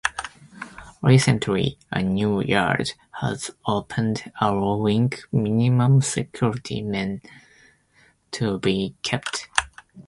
Recently, a new yard has opened allowing minimum security men to be kept.